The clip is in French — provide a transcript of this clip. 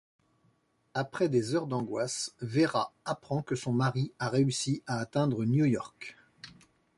Après des heures d'angoisse, Véra apprend que son mari a réussi à atteindre New-York.